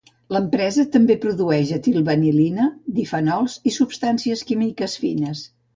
L'empresa també produeix etil vanil·lina, difenols i substàncies químiques fines.